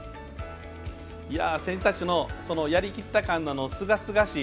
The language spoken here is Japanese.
選手たちのやりきった感のすがすがしい